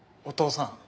お父さん！